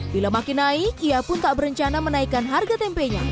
bila makin naik ia pun tak berencana menaikkan harga tempenya